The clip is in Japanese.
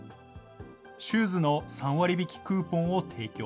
シューズの３割引クーポンを提供。